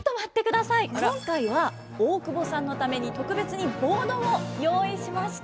今回は大久保さんのために特別にボードを用意しました。